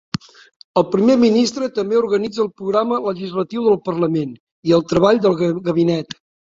El primer ministre també organitza el programa legislatiu del Parlament i el treball del Gabinet.